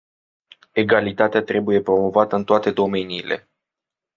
Egalitatea trebuie promovată în toate domeniile.